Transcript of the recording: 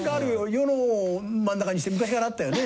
与野を真ん中にして昔からあったよね。